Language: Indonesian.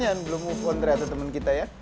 yan belum move on ternyata temen kita ya